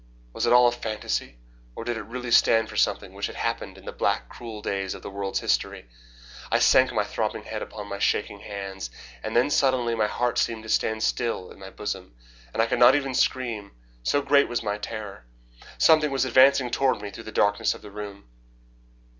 Was it all a fantasy, or did it really stand for something which had happened in the black, cruel days of the world's history? I sank my throbbing head upon my shaking hands. And then, suddenly, my heart seemed to stand still in my bosom, and I could not even scream, so great was my terror. Something was advancing toward me through the darkness of the room.